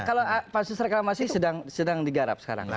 kalau pansus reklamasi sedang digarap sekarang